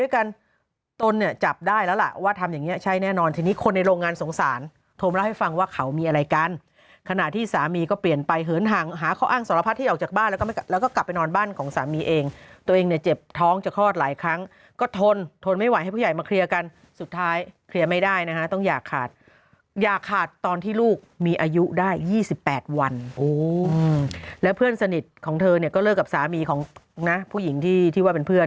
คนในโรงงานสงสารโทมรับให้ฟังว่าเขามีอะไรกันขณะที่สามีก็เปลี่ยนไปเหินหังหาข้ออ้างสารพัฒน์ที่ออกจากบ้านแล้วก็กลับไปนอนบ้านของสามีเองตัวเองเนี่ยเจ็บท้องจะคลอดหลายครั้งก็ทนทนไม่ไหวให้ผู้ใหญ่มาเคลียร์กันสุดท้ายเคลียร์ไม่ได้นะคะต้องอยากขาดอยากขาดตอนที่ลูกมีอายุได้๒๘วันแล้วเพื่อนสนิทของเธอ